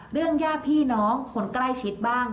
เรื่องย่าพี่น้องคนใกล้ชิดบ้าง